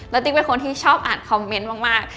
ติ๊กเป็นคนที่ชอบอ่านคอมเมนต์มาก